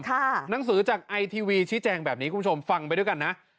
หนังสือจากไอทีวีชี้แจงแบบนี้คุณผู้ชมฟังไปด้วยกันนะ